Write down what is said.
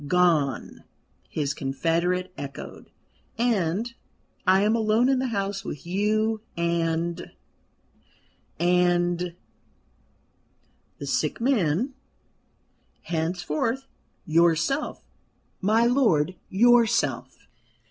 "Gone!" his confederate echoed: "and I am alone in the house with you and and " "The sick man henceforth, yourself, my lord, yourself."